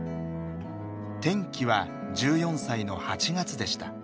転機は１４歳の８月でした。